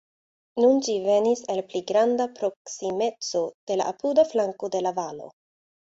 Nun ĝi venis el pli granda proksimeco de la apuda flanko de la valo.